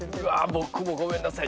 僕もごめんなさい。